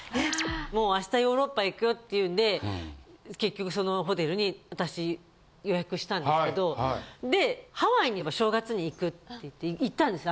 もう明日ヨーロッパへ行くよっていうんで結局そのホテルに私予約したんですけどでハワイにも正月に行くって言って行ったんです。